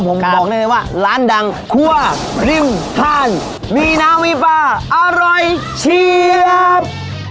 ผมบอกได้เลยว่าร้านดังคั่วริมทานมีน้ำมีปลาอร่อยเชียบ